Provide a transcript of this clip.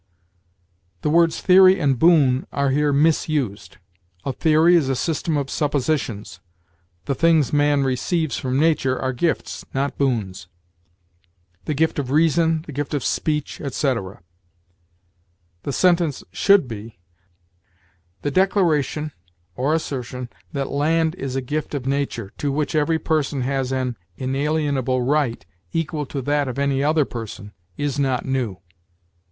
The words theory and boon are here misused. A theory is a system of suppositions. The things man receives from Nature are gifts, not boons: the gift of reason, the gift of speech, etc. The sentence should be: "The declaration (or assertion) that land ... is a gift of Nature, to which every person has an inalienable right equal to that of any other person, is not new."